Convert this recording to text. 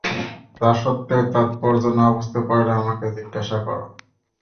দাসত্বের তাৎপর্য না বুঝতে পারলে আমাকে জিজ্ঞাসা কর।